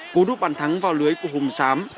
cú đúc bàn thắng vào lưới của hùng sám